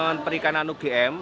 anak anak perikanan ugm